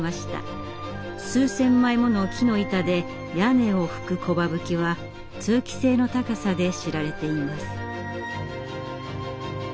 数千枚もの木の板で屋根をふく「木羽葺」は通気性の高さで知られています。